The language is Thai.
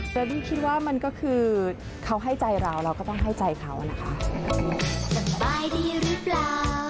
แบบบี้คิดว่ามันก็คือเขาให้ใจเราเราก็ต้องให้ใจเขานะคะ